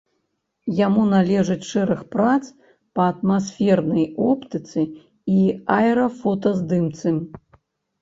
Яму належыць шэраг прац па атмасфернай оптыцы і аэрафотаздымцы.